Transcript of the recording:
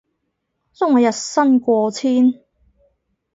仲話日薪過千